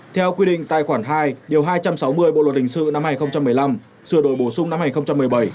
theo quy định tài khoản hai điều hai trăm sáu mươi bộ luật hình sự năm hai nghìn một mươi năm sửa đổi bổ sung năm hai nghìn một mươi bảy